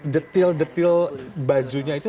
detil detil bajunya itu